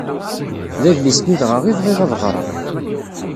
D adlis-nni dɣa i bɣiɣ ad ɣreɣ.